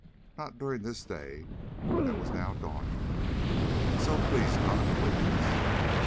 Not during this day that was now dawning. And so, please, God! Please!